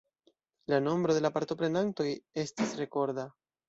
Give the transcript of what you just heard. La nombro de partoprenantoj estis rekorda.